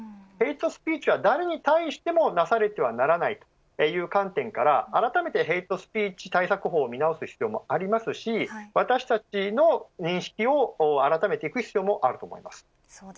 ヘイトスピーチは誰に対してもなされてはならないという観点から、あらためてヘイトスピーチ対策法を見直す必要もありますし私たちの認識をあらためていく必要もあると思います。